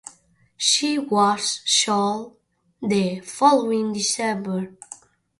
She was sold the following December.